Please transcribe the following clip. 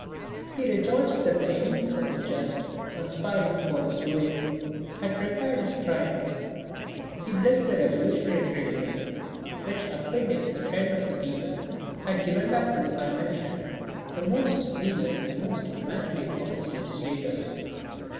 He rejoiced that the enemies of the Just, conspiring for his ruin, had prepared his triumph; he blessed the Revolutionary Tribunal, which acquitting the Friend of the People had given back to the Convention the most zealous and most immaculate of its legislators.